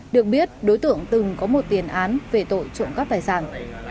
được biết đối tượng từng có một tiền án về tội trộm cắp tài sản